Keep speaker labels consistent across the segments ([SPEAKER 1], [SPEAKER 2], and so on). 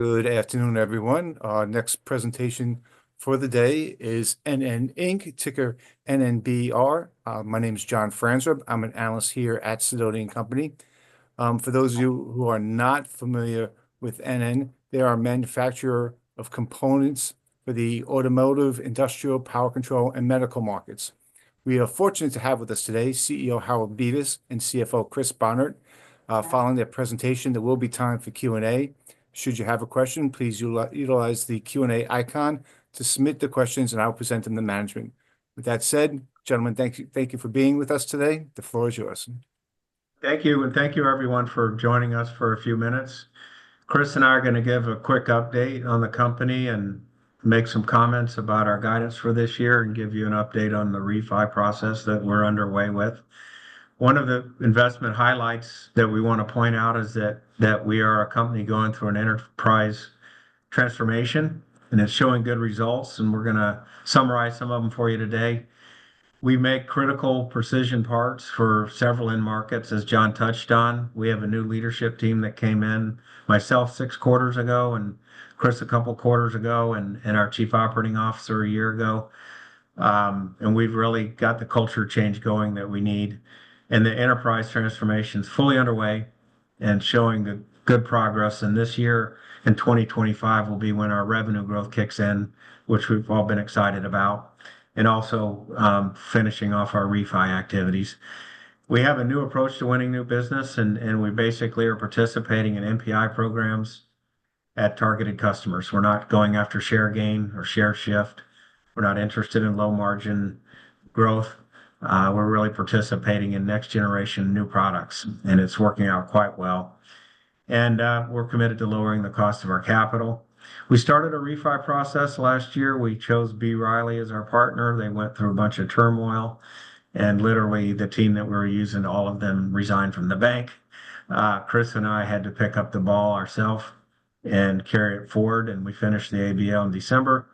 [SPEAKER 1] Good afternoon, everyone. Our next presentation for the day is NN Inc, ticker NNBR. My name is John Franzreb. I'm an analyst here at Sidoti & Company. For those of you who are not familiar with NN, they are a manufacturer of components for the automotive, industrial, power control, and medical markets. We are fortunate to have with us today CEO Harold Bevis and CFO Chris Bohnert. Following their presentation, there will be time for Q&A. Should you have a question, please utilize the Q&A icon to submit the questions, and I will present them to management. With that said, gentlemen, thank you for being with us today. The floor is yours.
[SPEAKER 2] Thank you, and thank you, everyone, for joining us for a few minutes. Chris and I are going to give a quick update on the company and make some comments about our guidance for this year and give you an update on the refi process that we're underway with. One of the investment highlights that we want to point out is that we are a company going through an enterprise transformation, and it's showing good results, and we're going to summarize some of them for you today. We make critical precision parts for several end markets, as John touched on. We have a new leadership team that came in myself six quarters ago and Chris a couple quarters ago and our Chief Operating Officer a year ago, and we've really got the culture change going that we need, and the enterprise transformation is fully underway and showing good progress. And this year and 2025 will be when our revenue growth kicks in, which we've all been excited about, and also finishing off our rundown activities. We have a new approach to winning new business, and we basically are participating in NPI programs at targeted customers. We're not going after share gain or share shift. We're not interested in low margin growth. We're really participating in next generation new products, and it's working out quite well. And we're committed to lowering the cost of our capital. We started a rundown process last year. We chose B. Riley as our partner. They went through a bunch of turmoil. And literally, the team that we were using, all of them resigned from the bank. Chris and I had to pick up the ball ourselves and carry it forward. And we finished the ABL in December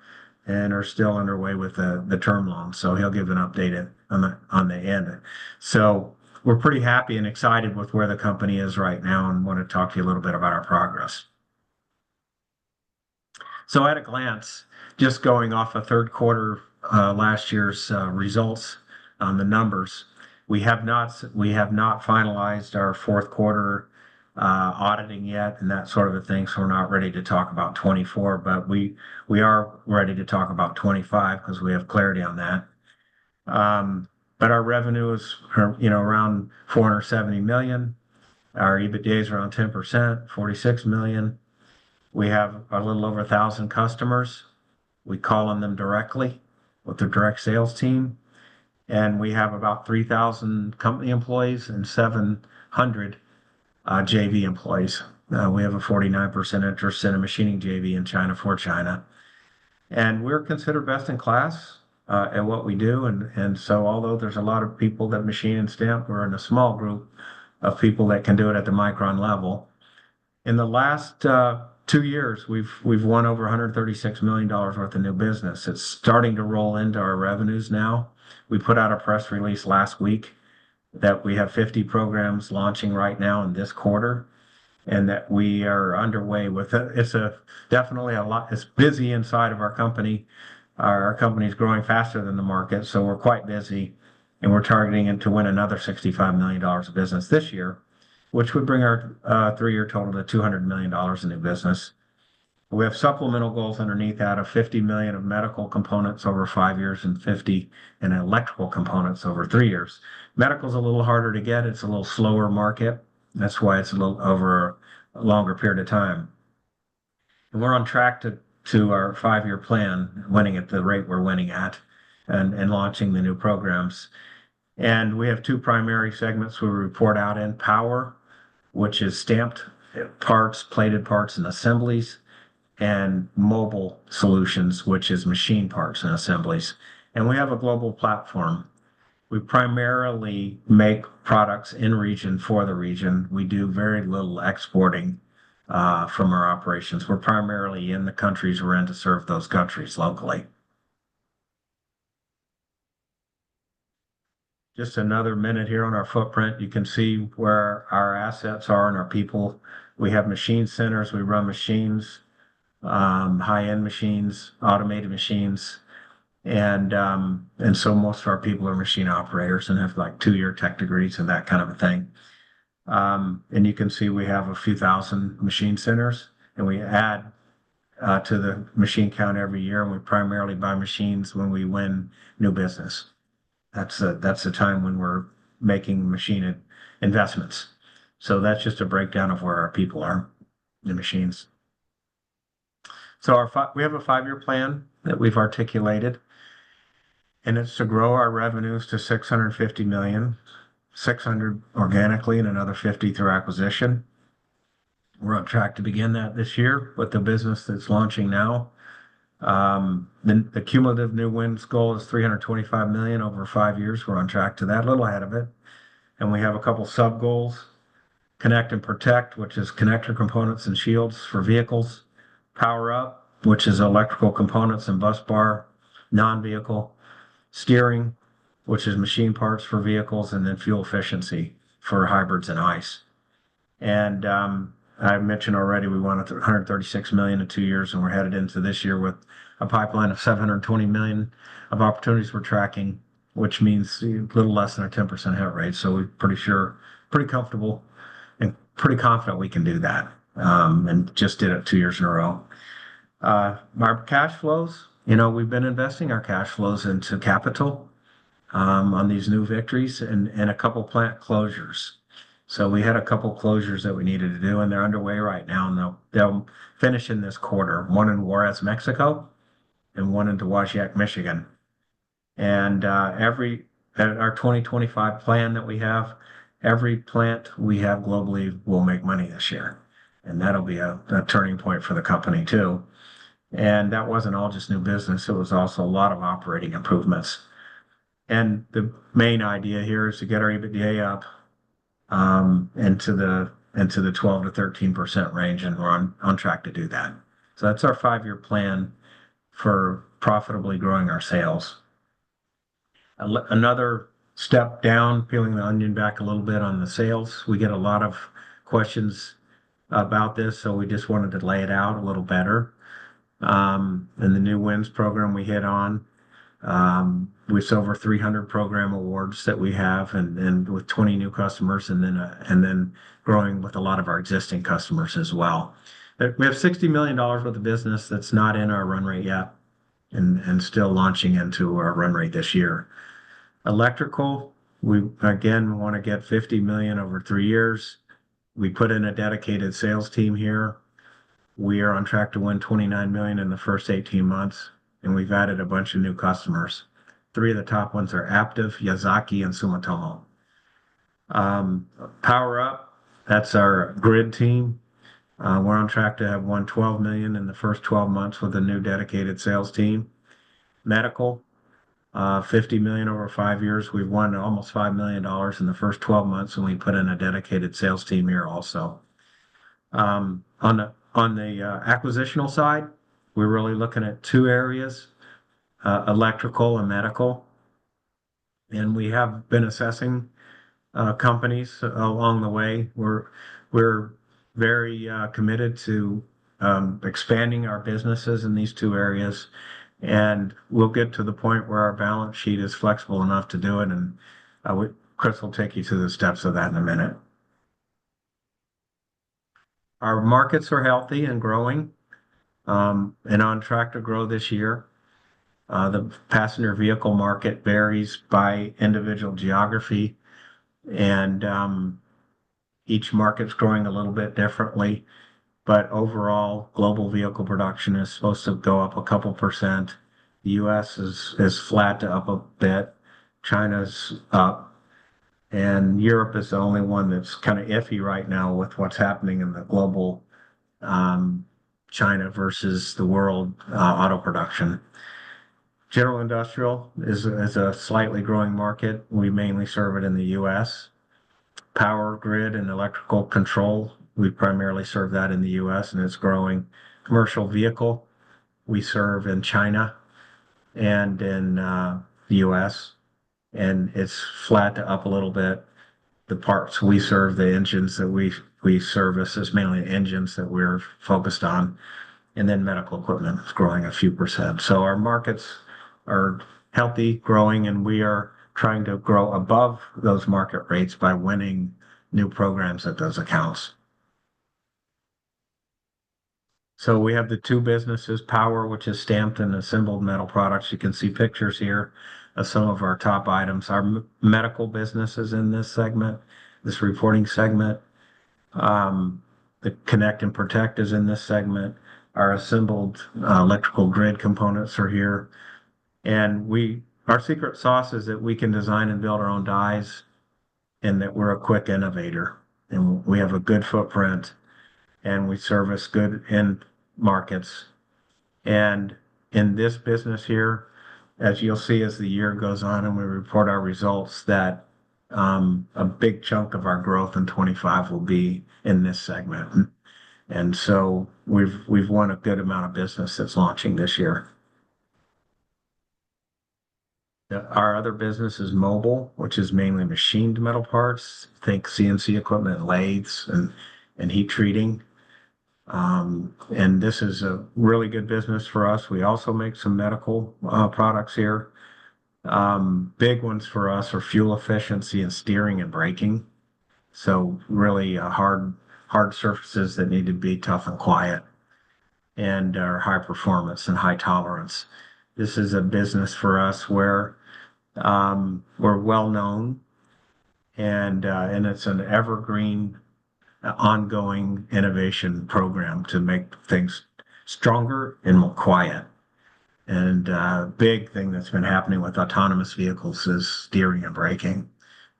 [SPEAKER 2] and are still underway with the term loan. So he'll give an update on the end. We're pretty happy and excited with where the company is right now and want to talk to you a little bit about our progress. At a glance, just going off of third quarter last year's results on the numbers, we have not finalized our fourth quarter auditing yet and that sort of a thing. We're not ready to talk about 2024, but we are ready to talk about 2025 because we have clarity on that. Our revenue is around $470 million. Our EBITDA is around 10%, $46 million. We have a little over 1,000 customers. We call on them directly with their direct sales team. We have about 3,000 company employees and 700 JV employees. We have a 49% interest in a machining JV in China for China. And we're considered best in class at what we do. And so although there's a lot of people that machine and stamp, we're in a small group of people that can do it at the micron level. In the last two years, we've won over $136 million worth of new business. It's starting to roll into our revenues now. We put out a press release last week that we have 50 programs launching right now in this quarter and that we are underway with. It's definitely a lot. It's busy inside of our company. Our company is growing faster than the market, so we're quite busy. And we're targeting to win another $65 million of business this year, which would bring our three-year total to $200 million in new business. We have supplemental goals underneath that of $50 million of medical components over five years and $50 million in electrical components over three years. Medical is a little harder to get. It's a little slower market. That's why it's a little over a longer period of time, and we're on track to our five-year plan, winning at the rate we're winning at and launching the new programs. We have two primary segments we report out in: Power, which is stamped parts, plated parts and assemblies, and Mobile Solutions, which is machine parts and assemblies. We have a global platform. We primarily make products in region for the region. We do very little exporting from our operations. We're primarily in the countries we're in to serve those countries locally. Just another minute here on our footprint. You can see where our assets are and our people. We have machine centers. We run machines, high-end machines, automated machines. And so most of our people are machine operators and have like two-year tech degrees and that kind of a thing. And you can see we have a few thousand machine centers, and we add to the machine count every year. And we primarily buy machines when we win new business. That's the time when we're making machine investments. So that's just a breakdown of where our people are in machines. So we have a five-year plan that we've articulated, and it's to grow our revenues to $650 million, $600 million organically and another $50 million through acquisition. We're on track to begin that this year with the business that's launching now. The cumulative new wins goal is $325 million over five years. We're on track to that, a little ahead of it. We have a couple of sub-goals: Connect and Protect, which is connector components and shields for vehicles, Power Up, which is electrical components and bus bar, non-vehicle steering, which is machine parts for vehicles, and then fuel efficiency for hybrids and ICE. I mentioned already we wanted $136 million in two years, and we're headed into this year with a pipeline of $720 million of opportunities we're tracking, which means a little less than a 10% hit rate. So we're pretty sure, pretty comfortable, and pretty confident we can do that and just did it two years in a row. Our cash flows, we've been investing our cash flows into capital on these new victories and a couple of plant closures. So we had a couple of closures that we needed to do, and they're underway right now. They'll finish in this quarter, one in Juárez, Mexico, and one in Dowagiac, Michigan. Our 2025 plan that we have, every plant we have globally will make money this year. That'll be a turning point for the company too. That wasn't all just new business. It was also a lot of operating improvements. The main idea here is to get our EBITDA up into the 12%-13% range, and we're on track to do that. That's our five-year plan for profitably growing our sales. Another step down, peeling the onion back a little bit on the sales. We get a lot of questions about this, so we just wanted to lay it out a little better. And the new wins program we hit on, with over 300 program awards that we have and with 20 new customers and then growing with a lot of our existing customers as well. We have $60 million worth of business that's not in our run rate yet and still launching into our run rate this year. Electrical, we again want to get $50 million over three years. We put in a dedicated sales team here. We are on track to win $29 million in the first 18 months, and we've added a bunch of new customers. Three of the top ones are Aptiv, Yazaki, and Sumitomo. Power Up, that's our grid team. We're on track to have won $12 million in the first 12 months with a new dedicated sales team. Medical, $50 million over five years. We've won almost $5 million in the first 12 months, and we put in a dedicated sales team here also. On the acquisitional side, we're really looking at two areas: electrical and medical, and we have been assessing companies along the way. We're very committed to expanding our businesses in these two areas, and we'll get to the point where our balance sheet is flexible enough to do it, and Chris will take you through the steps of that in a minute. Our markets are healthy and growing and on track to grow this year. The passenger vehicle market varies by individual geography, and each market's growing a little bit differently, but overall, global vehicle production is supposed to go up a couple %. The U.S. is flat to up a bit. China's up. Europe is the only one that's kind of iffy right now with what's happening in the global China versus the world auto production. General Industrial is a slightly growing market. We mainly serve it in the U.S. Power, grid, and electrical control, we primarily serve that in the U.S., and it's growing. Commercial vehicle, we serve in China and in the U.S., and it's flat to up a little bit. The parts we serve, the engines that we serve, this is mainly engines that we're focused on. Medical equipment is growing a few %. Our markets are healthy, growing, and we are trying to grow above those market rates by winning new programs at those accounts. We have the two businesses: Power, which is stamped and assembled metal products. You can see pictures here of some of our top items. Our medical business is in this segment, this reporting segment. The Connect and Protect is in this segment. Our assembled electrical grid components are here. And our secret sauce is that we can design and build our own dies and that we're a quick innovator. And we have a good footprint, and we service good end markets. And in this business here, as you'll see as the year goes on and we report our results, that a big chunk of our growth in 2025 will be in this segment. And so we've won a good amount of business that's launching this year. Our other business is Mobile, which is mainly machined metal parts. Think CNC equipment, lathes, and heat treating. And this is a really good business for us. We also make some medical products here. Big ones for us are fuel efficiency and steering and braking. So really hard surfaces that need to be tough and quiet and are high performance and high tolerance. This is a business for us where we're well known, and it's an evergreen ongoing innovation program to make things stronger and more quiet. And a big thing that's been happening with autonomous vehicles is steering and braking.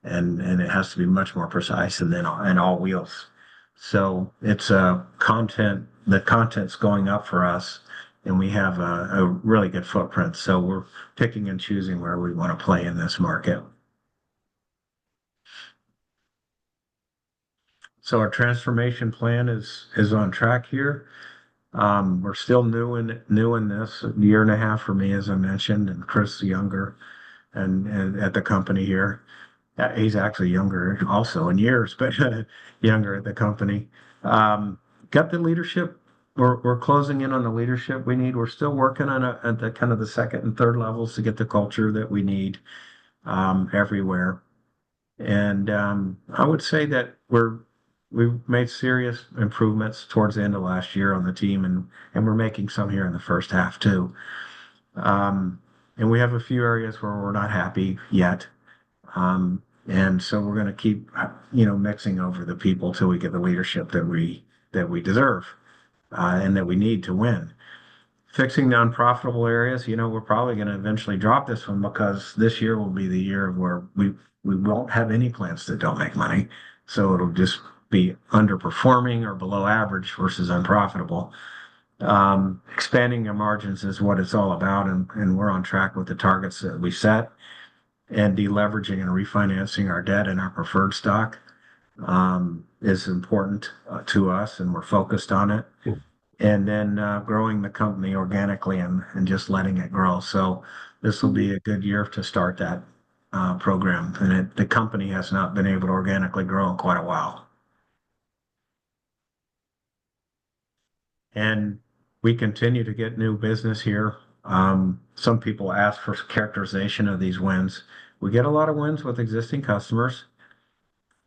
[SPEAKER 2] And it has to be much more precise and all wheels. So the content's going up for us, and we have a really good footprint. So we're picking and choosing where we want to play in this market. So our transformation plan is on track here. We're still new in this. A year and a half for me, as I mentioned, and Chris, the younger at the company here. He's actually younger also in years, but younger at the company. Got the leadership. We're closing in on the leadership we need. We're still working on kind of the second and third levels to get the culture that we need everywhere. And I would say that we've made serious improvements towards the end of last year on the team, and we're making some here in the first half too. And we have a few areas where we're not happy yet. And so we're going to keep mixing over the people till we get the leadership that we deserve and that we need to win. Fixing non-profitable areas, we're probably going to eventually drop this one because this year will be the year where we won't have any plants that don't make money. So it'll just be underperforming or below average versus unprofitable. Expanding your margins is what it's all about, and we're on track with the targets that we set. Deleveraging and refinancing our debt and our preferred stock is important to us, and we're focused on it. Then growing the company organically and just letting it grow. This will be a good year to start that program. The company has not been able to organically grow in quite a while. We continue to get new business here. Some people ask for characterization of these wins. We get a lot of wins with existing customers.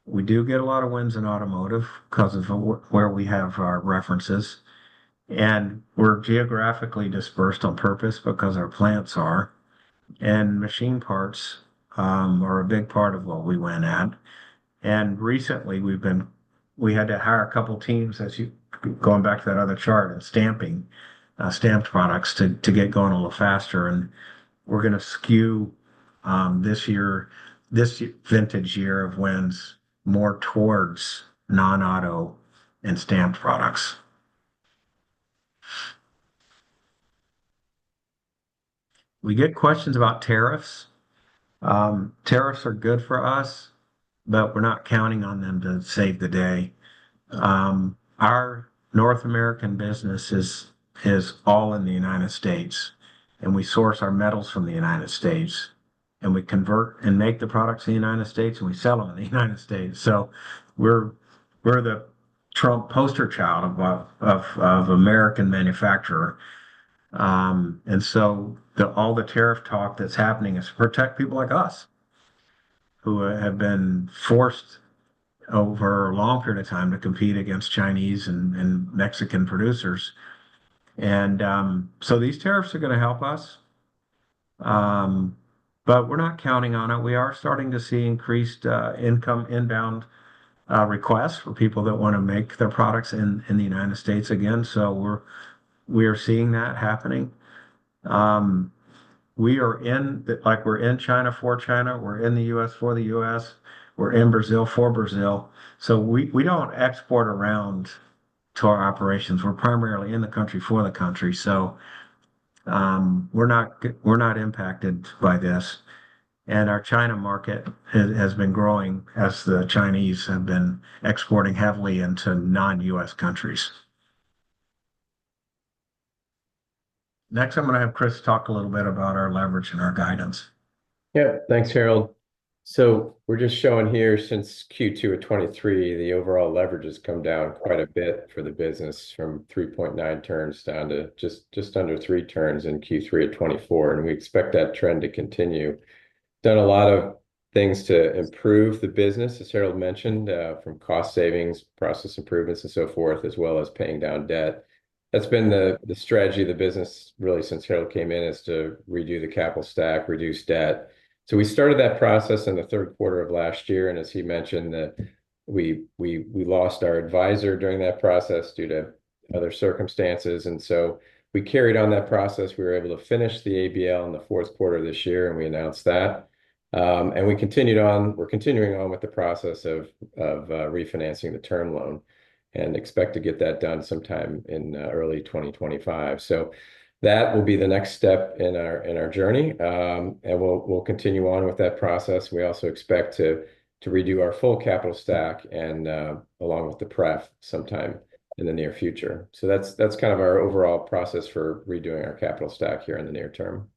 [SPEAKER 2] We do get a lot of wins in automotive because of where we have our references. We're geographically dispersed on purpose because our plants are. Machine parts are a big part of what we win at. Recently, we had to hire a couple of teams, going back to that other chart, and stamping stamped products to get going a little faster. And we're going to skew this vintage year of wins more towards non-auto and stamped products. We get questions about tariffs. Tariffs are good for us, but we're not counting on them to save the day. Our North American business is all in the U.S., and we source our metals from the U.S. And we convert and make the products in the U.S., and we sell them in the U.S. So we're the Trump poster child of American manufacturer. And so all the tariff talk that's happening is to protect people like us who have been forced over a long period of time to compete against Chinese and Mexican producers. And so these tariffs are going to help us, but we're not counting on it. We are starting to see increased inbound requests for people that want to make their products in the U.S. again. So we are seeing that happening. We are in China for China. We're in the U.S. for the U.S. We're in Brazil for Brazil. So we don't export around to our operations. We're primarily in the country for the country. So we're not impacted by this. And our China market has been growing as the Chinese have been exporting heavily into non-U.S. countries. Next, I'm going to have Chris talk a little bit about our leverage and our guidance.
[SPEAKER 3] Yeah, thanks, Harold. So we're just showing here since Q2 of 2023, the overall leverage has come down quite a bit for the business from 3.9 turns down to just under three turns in Q3 of 2024. And we expect that trend to continue. Done a lot of things to improve the business, as Harold mentioned, from cost savings, process improvements, and so forth, as well as paying down debt. That's been the strategy of the business really since Harold came in, is to redo the capital stack, reduce debt, so we started that process in the third quarter of last year. As he mentioned, we lost our advisor during that process due to other circumstances, and so we carried on that process. We were able to finish the ABL in the fourth quarter of this year, and we announced that, and we continued on. We're continuing on with the process of refinancing the term loan and expect to get that done sometime in early 2025, so that will be the next step in our journey, and we'll continue on with that process. We also expect to redo our full capital stack along with the Pref sometime in the near future, so that's kind of our overall process for redoing our capital stack here in the near term.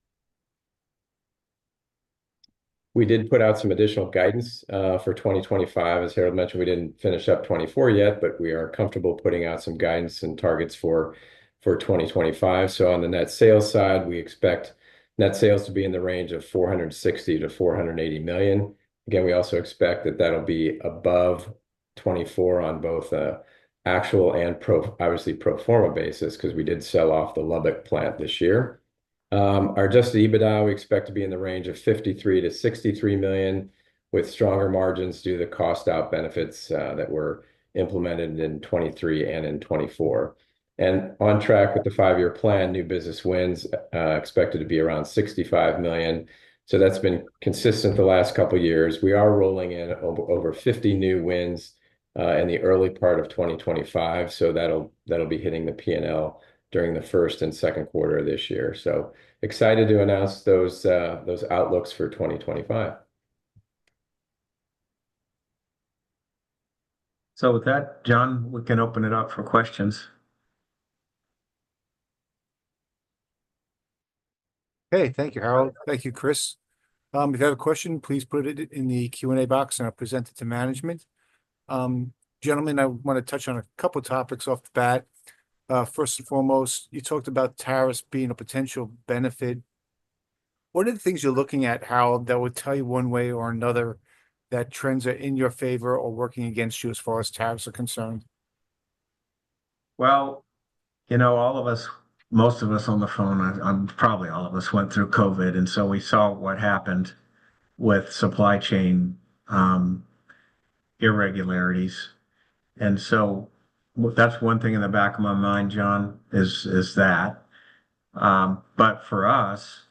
[SPEAKER 3] We did put out some additional guidance for 2025. As Harold mentioned, we didn't finish up 2024 yet, but we are comfortable putting out some guidance and targets for 2025. So on the net sales side, we expect net sales to be in the range of $460 million-$480 million. Again, we also expect that that'll be above 2024 on both the actual and, obviously, pro forma basis because we did sell off the Lubbock plant this year. Our Adjusted EBITDA, we expect to be in the range of $53 million-$63 million with stronger margins due to the cost-out benefits that were implemented in 2023 and in 2024. And on track with the five-year plan, new business wins expected to be around $65 million. So that's been consistent the last couple of years. We are rolling in over 50 new wins in the early part of 2025. So that'll be hitting the P&L during the first and second quarter of this year. So excited to announce those outlooks for 2025. So with that, John, we can open it up for questions.
[SPEAKER 1] Hey, thank you, Harold. Thank you, Chris. If you have a question, please put it in the Q&A box and I'll present it to management. Gentlemen, I want to touch on a couple of topics off the bat. First and foremost, you talked about tariffs being a potential benefit. What are the things you're looking at, Harold, that would tell you one way or another that trends are in your favor or working against you as far as tariffs are concerned?
[SPEAKER 2] Well, you know, all of us, most of us on the phone, probably all of us went through COVID. And so we saw what happened with supply chain irregularities. That's one thing in the back of my mind, John, is that. But for us,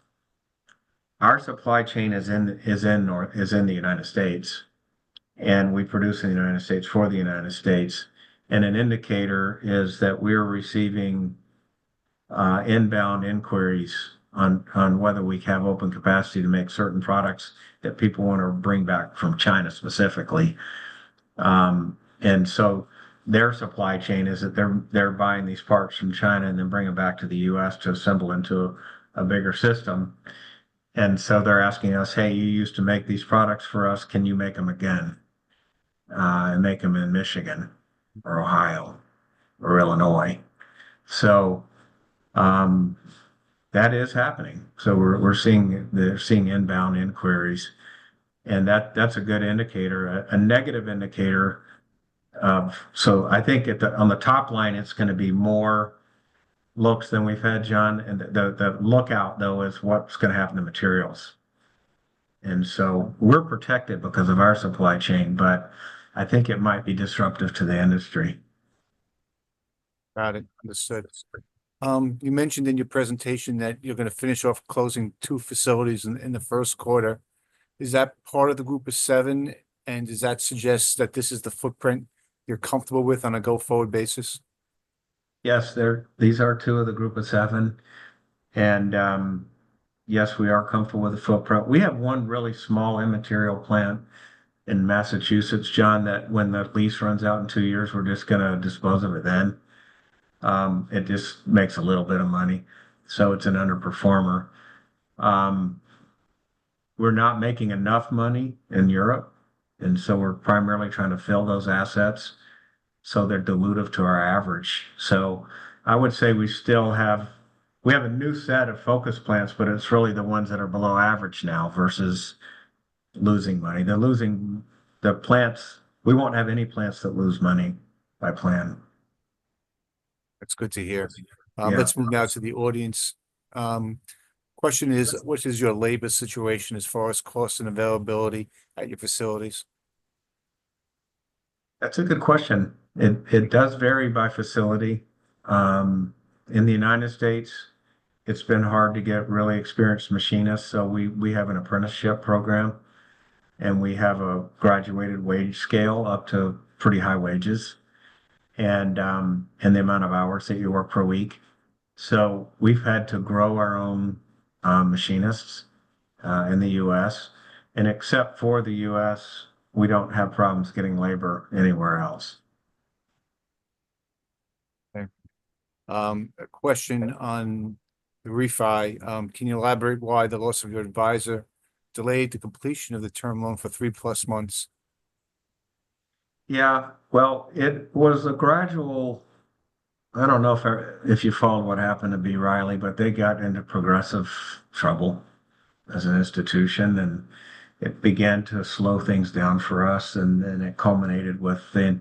[SPEAKER 2] our supply chain is in the U.S. We produce in the U.S. for the U.S. An indicator is that we are receiving inbound inquiries on whether we have open capacity to make certain products that people want to bring back from China specifically. Their supply chain is that they're buying these parts from China and then bringing them back to the U.S. to assemble into a bigger system. They're asking us, "Hey, you used to make these products for us. Can you make them again and make them in Michigan or Ohio or Illinois?" That is happening. We're seeing inbound inquiries. That's a good indicator. A negative indicator, so I think on the top line, it's going to be more robust than we've had, John. And the outlook, though, is what's going to happen to materials. And so we're protected because of our supply chain, but I think it might be disruptive to the industry.
[SPEAKER 1] Got it. Understood. You mentioned in your presentation that you're going to finish closing two facilities in the first quarter. Is that part of the group of seven? And does that suggest that this is the footprint you're comfortable with on a go-forward basis?
[SPEAKER 2] Yes, these are two of the group of seven. And yes, we are comfortable with the footprint. We have one really small immaterial plant in Massachusetts, John, that when the lease runs out in two years, we're just going to dispose of it then. It just makes a little bit of money. It's an underperformer. We're not making enough money in Europe. And so we're primarily trying to fill those assets so they're dilutive to our average. I would say we still have a new set of focus plants, but it's really the ones that are below average now versus losing money. The plants, we won't have any plants that lose money by plan.
[SPEAKER 1] That's good to hear. Let's move now to the audience. Question is, what is your labor situation as far as cost and availability at your facilities?
[SPEAKER 2] That's a good question. It does vary by facility. In the U.S., it's been hard to get really experienced machinists. So we have an apprenticeship program, and we have a graduated wage scale up to pretty high wages and the amount of hours that you work per week. So we've had to grow our own machinists in the U.S. And except for the U.S., we don't have problems getting labor anywhere else.
[SPEAKER 1] Okay. A question on the refi. Can you elaborate why the loss of your advisor delayed the completion of the term loan for three plus months?
[SPEAKER 2] Yeah. Well, it was a gradual. I don't know if you followed what happened to B. Riley, but they got into progressive trouble as an institution, and it began to slow things down for us. And then it culminated with the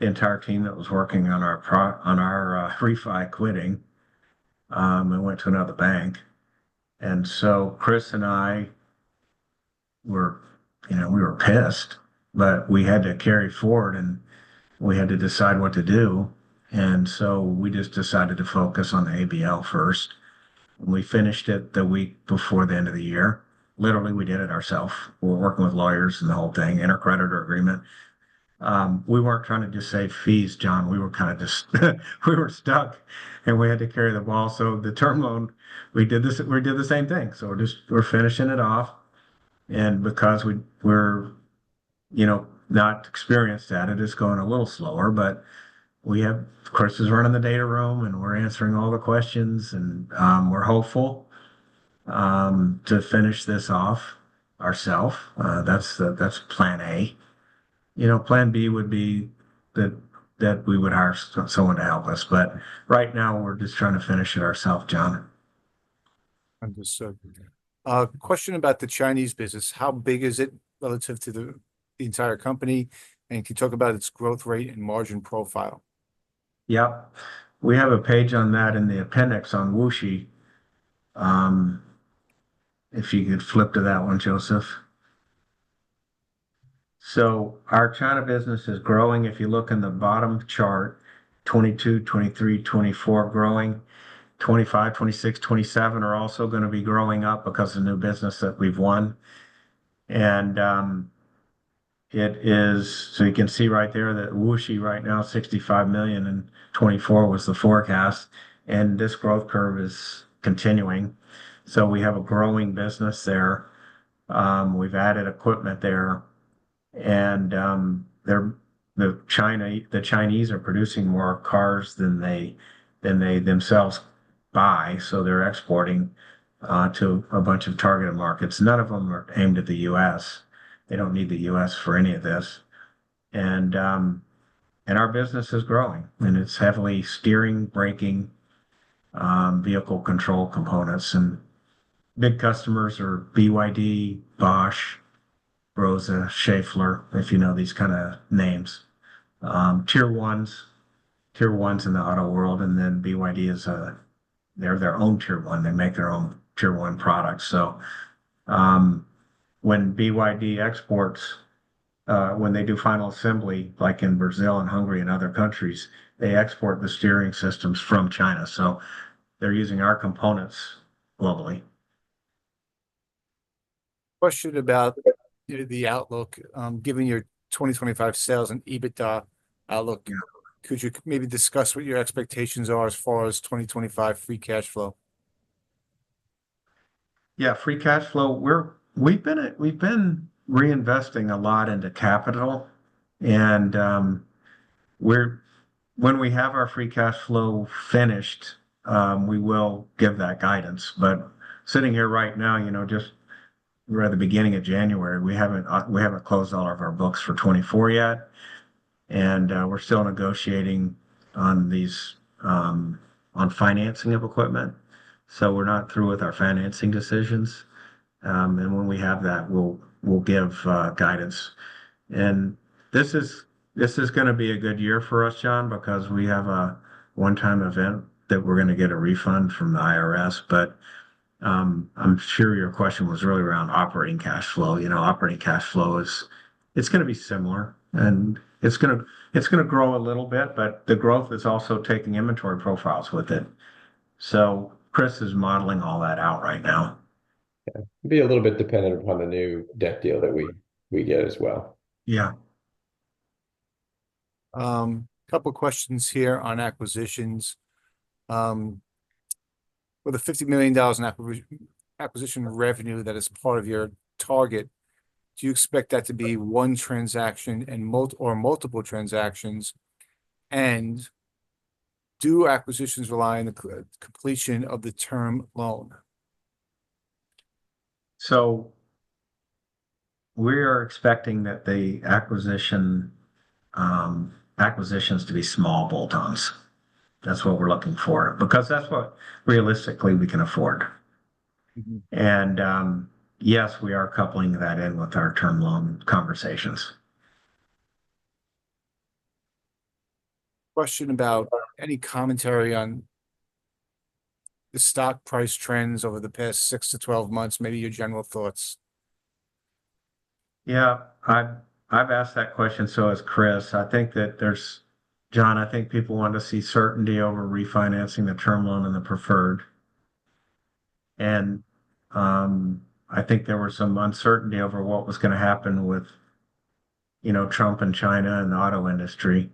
[SPEAKER 2] entire team that was working on our refi quitting and went to another bank. And so Chris and I, we were pissed, but we had to carry forward, and we had to decide what to do. And so we just decided to focus on the ABL first. And we finished it the week before the end of the year. Literally, we did it ourselves. We were working with lawyers and the whole thing, intercreditor agreement. We weren't trying to just save fees, John. We were kind of just, we were stuck, and we had to carry the ball. So the term loan, we did the same thing. So we're finishing it off. And because we're not experienced at it, it's going a little slower. But Chris is running the data room, and we're answering all the questions, and we're hopeful to finish this off ourselves. That's plan A. Plan B would be that we would hire someone to help us. But right now, we're just trying to finish it ourselves, John.
[SPEAKER 1] Understood. Question about the Chinese business. How big is it relative to the entire company? And can you talk about its growth rate and margin profile?
[SPEAKER 2] Yep. We have a page on that in the appendix on Wuxi. If you could flip to that one, Joseph. So our China business is growing. If you look in the bottom chart, 2022, 2023, 2024, growing. 2025, 2026, 2027 are also going to be growing up because of the new business that we've won. And so you can see right there that Wuxi right now, $65 million in 2024 was the forecast. And this growth curve is continuing. So we have a growing business there. We've added equipment there. And the Chinese are producing more cars than they themselves buy. So they're exporting to a bunch of targeted markets. None of them are aimed at the U.S. They don't need the U.S. for any of this. And our business is growing, and it's heavily steering, braking, vehicle control components. And big customers are BYD, Bosch, Brose, Schaeffler, if you know these kind of names. Tier 1s, Tier 1s in the auto world. And then BYD, they're their own Tier 1. They make their own Tier 1 products. So when BYD exports, when they do final assembly, like in Brazil and Hungary and other countries, they export the steering systems from China. So they're using our components globally.
[SPEAKER 1] Question about the outlook. Given your 2025 sales and EBITDA outlook, could you maybe discuss what your expectations are as far as 2025 free cash flow?
[SPEAKER 2] Yeah, free cash flow. We've been reinvesting a lot into capital. And when we have our free cash flow finished, we will give that guidance. But sitting here right now, just we're at the beginning of January. We haven't closed all of our books for 2024 yet. And we're still negotiating on financing of equipment. So we're not through with our financing decisions. And when we have that, we'll give guidance. This is going to be a good year for us, John, because we have a one-time event that we're going to get a refund from the IRS. I'm sure your question was really around operating cash flow. Operating cash flow, it's going to be similar. It's going to grow a little bit, but the growth is also taking inventory profiles with it. Chris is modeling all that out right now. It'll be a little bit dependent upon the new debt deal that we get as well.
[SPEAKER 1] Yeah. Couple of questions here on acquisitions. With the $50 million in acquisition revenue that is part of your target, do you expect that to be one transaction or multiple transactions? Do acquisitions rely on the completion of the term loan?
[SPEAKER 2] We are expecting that the acquisitions to be small bolt-ons. That's what we're looking for because that's what realistically we can afford. Yes, we are coupling that in with our term loan conversations.
[SPEAKER 1] Question about any commentary on the stock price trends over the past 6-12 months, maybe your general thoughts.
[SPEAKER 2] Yeah. I've asked that question to Chris. I think that there's, John, I think people want to see certainty over refinancing the term loan and the preferred. I think there was some uncertainty over what was going to happen with Trump and China and the auto industry.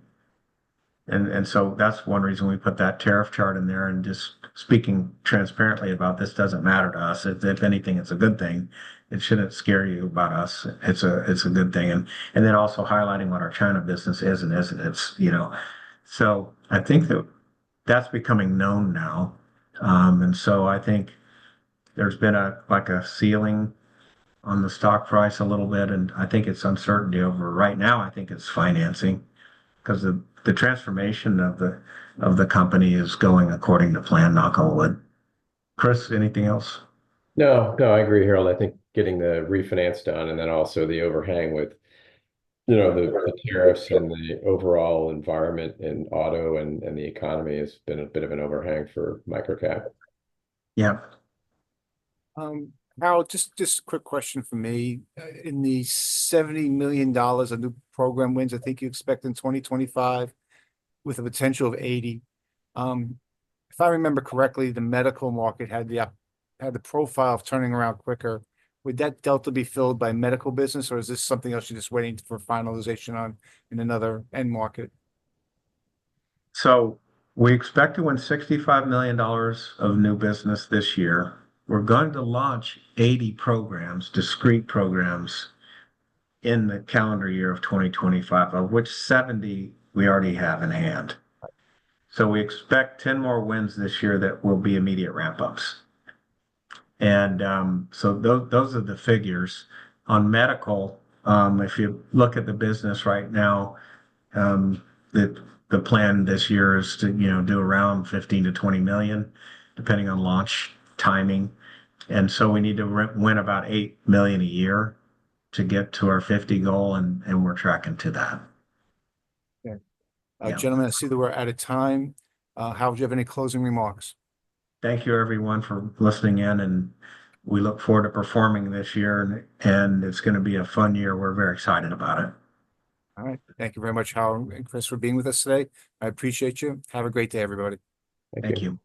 [SPEAKER 2] That's one reason we put that tariff chart in there. Just speaking transparently about this doesn't matter to us. If anything, it's a good thing. It shouldn't scare you about us. It's a good thing. Then also highlighting what our China business is and isn't. I think that that's becoming known now. And so I think there's been a ceiling on the stock price a little bit. And I think it's uncertainty over right now. I think it's financing because the transformation of the company is going according to plan, knock on wood. Chris, anything else?
[SPEAKER 3] No, no, I agree, Harold. I think getting the refinance done and then also the overhang with the tariffs and the overall environment in auto and the economy has been a bit of an overhang for microcap.
[SPEAKER 2] Yeah.
[SPEAKER 1] Harold, just a quick question for me. In the $70 million in new program wins, I think you expect in 2025 with a potential of $80 million. If I remember correctly, the medical market had the profile of turning around quicker. Would that delta be filled by medical business, or is this something else you're just waiting for finalization on in another end market?
[SPEAKER 2] So we expect to win $65 million of new business this year. We're going to launch 80 programs, discrete programs in the calendar year of 2025, of which 70 we already have in hand. So we expect 10 more wins this year that will be immediate ramp-ups. And so those are the figures. On medical, if you look at the business right now, the plan this year is to do around $15 million-$20 million, depending on launch timing. And so we need to win about $8 million a year to get to our $50 million goal, and we're tracking to that.
[SPEAKER 1] Okay. Gentlemen, I see that we're out of time. Harold Bevis, do you have any closing remarks?
[SPEAKER 2] Thank you, everyone, for listening in. And we look forward to performing this year. And it's going to be a fun year. We're very excited about it. All right.
[SPEAKER 1] Thank you very much, Harold and Chris, for being with us today. I appreciate you. Have a great day, everybody.
[SPEAKER 2] Thank you.
[SPEAKER 3] Thank you.